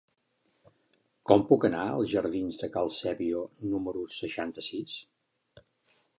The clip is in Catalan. Com puc anar als jardins de Cal Sèbio número seixanta-sis?